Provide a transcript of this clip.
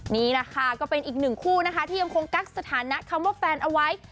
นี่แหละค่ะก็เป็นอีกหนึ่งคู่นะคะที่ยังคงกักสถานะคำว่าแฟนเอาไว้